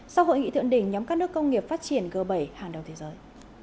sau hội nghị thượng đỉnh nhóm các nước công nghiệp phát triển g bảy hàng đầu thế giới